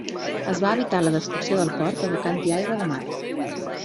Es va evitar la destrucció del port abocant-hi aigua de mar.